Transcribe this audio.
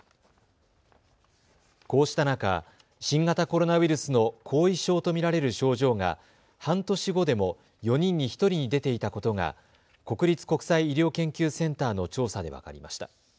こうした中、新型コロナウイルスの後遺症と見られる症状が半年後でも４人に１人に出ていたことが国立国際医療研究センターの調査で分かりました。